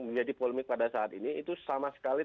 menjadi polemik pada saat ini itu sama sekali